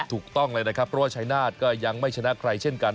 ถูกต้องเลยนะครับเพราะว่าชายนาฏก็ยังไม่ชนะใครเช่นกัน